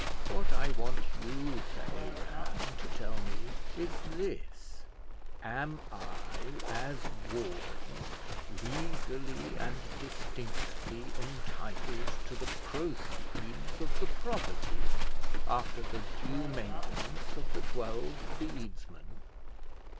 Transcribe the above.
What I want you, Sir Abraham, to tell me, is this: am I, as warden, legally and distinctly entitled to the proceeds of the property, after the due maintenance of the twelve bedesmen?"